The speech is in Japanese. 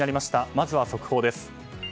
まずは速報です。